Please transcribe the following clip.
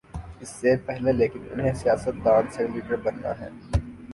اس سے پہلے لیکن انہیں سیاست دان سے لیڈر بننا ہے۔